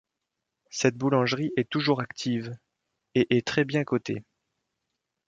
Cette boulangerie est toujours active, et est très bien cotée.